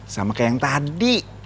sama kayak yang tadi